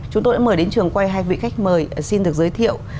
chúng tôi đã mời đến trường quay hai vị khách mời xin được giới thiệu